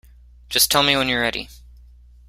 Just tell me when you're ready.